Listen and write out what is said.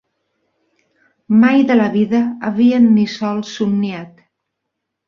Mai de la vida havien ni sols somniat